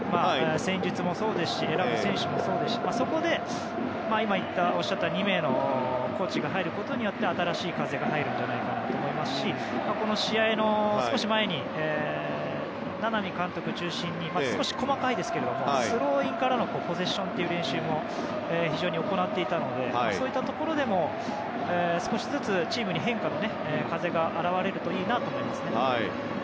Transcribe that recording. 戦術もそうですし選ぶ選手もそうですし、そこで今、おっしゃった２名のコーチが入ることで新しい風が入るんじゃないかと思いますしこの試合の少し前に名波コーチ中心に少し細かいですけどスローインからのポゼッションの練習も非常に行っていたのでそういうところでも少しずつチームに変化の風が現れるといいなと思いますね。